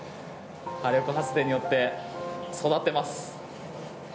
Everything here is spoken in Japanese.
波力発電によって育っています。